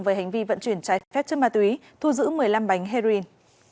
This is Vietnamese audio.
về hành vi vận chuyển trái phép chất ma túy thu giữ một mươi năm bánh heroin